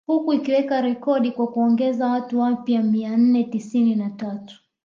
Huku ikiweka rekodi kwa kuongeza watu wapya mia nne tisini na tatu